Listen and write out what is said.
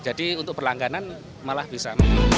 jadi untuk berlangganan malah bisa